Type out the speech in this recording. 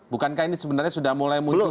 bukankah ini sebenarnya sudah mulai muncul